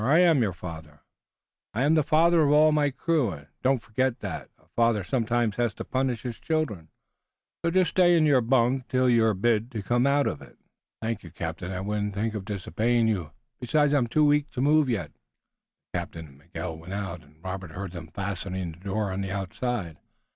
I am your father, I'm the father of all my crew, and don't forget that a father sometimes has to punish his children, so just you stay in your bunk till you're bid to come out of it." "Thank you, captain. I wouldn't think of disobeying you. Besides, I'm too weak to move yet." The captain and Miguel went out, and Robert heard them fastening the door on the outside.